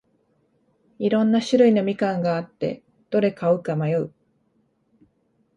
いろんな種類のみかんがあって、どれ買うか悩む